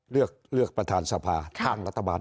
เลือกประธานสภาทางรัฐบาล